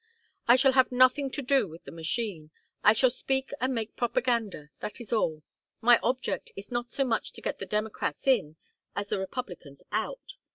"I shall have nothing to do with the machine. I shall speak and make propaganda, that is all. My object is not so much to get the Democrats in as the Republicans out.